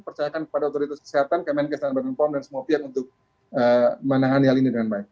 percayakan kepada otoritas kesehatan kemenkesan baru inform dan semua pihak untuk menahan hal ini dengan baik